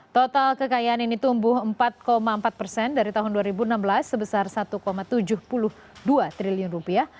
total kekayaan ini tumbuh empat empat persen dari tahun dua ribu enam belas sebesar satu tujuh puluh dua triliun rupiah